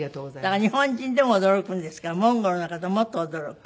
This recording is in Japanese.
だから日本人でも驚くんですからモンゴルの方もっと驚く。